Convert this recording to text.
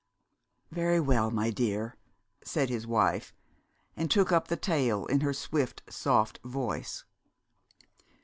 "Very well, my dear," said his wife, and took up the tale in her swift, soft voice.